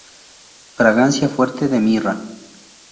Fragancia fuerte de mirra.